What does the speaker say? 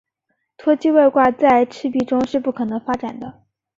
脱机外挂在赤壁中是不可能发展的。